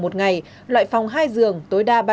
một ngày loại phòng hai dường tối đa